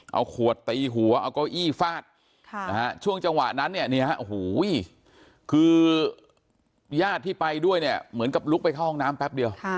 เอาขวดตีหัวเอาเก้าอี้ฟาดช่วงจังหวะนั้นเนี่ยโอ้โหคือญาติที่ไปด้วยเนี่ยเหมือนกับลุกไปเข้าห้องน้ำแป๊บเดียว